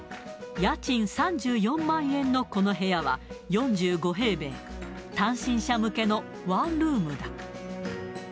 家賃３４万円のこの部屋は、４５平米、単身者向けのワンルームだ。